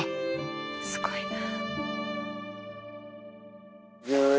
すごいな。